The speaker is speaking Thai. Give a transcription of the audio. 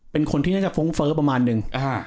เป็นคนที่น่าจะฟุ้งเฟ้อประมาณนึง